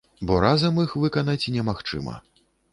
Бо разам іх выканаць немагчыма.